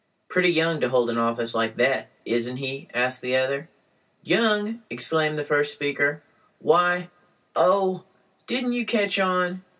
"Pretty young to hold an office like that, isn't he?" asked the other. "Young!" exclaimed the first speaker, "why—Oh! didn't you catch on?